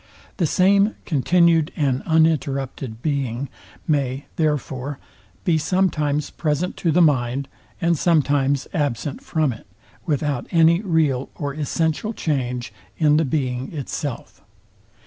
The same continued and uninterrupted Being may, therefore, be sometimes present to the mind, and sometimes absent from it, without any real or essential change in the Being itself.